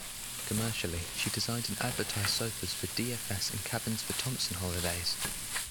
Commercially, she designed and advertised sofas for dfs and cabins for Thomson Holidays.